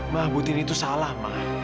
ma butini itu salah ma